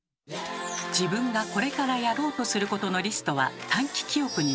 自分がこれからやろうとすることのリストは短期記憶になります。